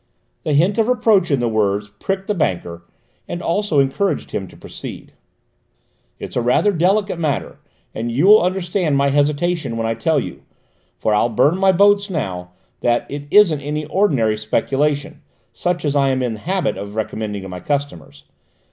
The hint of reproach in the words pricked the banker, and also encouraged him to proceed. "It's rather a delicate matter, and you will understand my hesitation when I tell you for I'll burn my boats now that it isn't any ordinary speculation, such as I am in the habit of recommending to my customers.